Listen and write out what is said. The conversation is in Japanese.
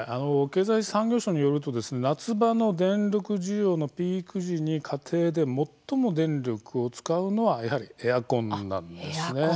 経済産業省によると夏場の電力需要のピーク時に家庭で最も電力を使うのはやはりエアコンなんです。